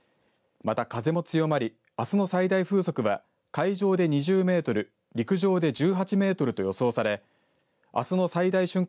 また、風も強まりあすの最大風速は海上で２０メートル陸上で１８メートルと予想されあすの最大瞬間